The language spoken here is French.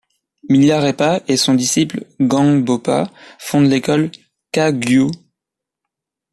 Milarepa et son disciple Gampopa fondent l'école kagyu.